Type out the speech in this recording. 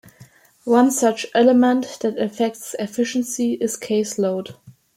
One such element that affects efficiency is caseloads.